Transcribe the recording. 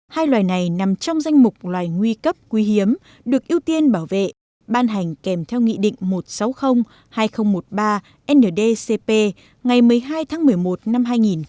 hai loài này nằm trong danh mục loài nguy cấp quý hiếm được ưu tiên bảo vệ ban hành kèm theo nghị định một trăm sáu mươi hai nghìn một mươi ba ndcp ngày một mươi hai tháng một mươi một năm hai nghìn một mươi bảy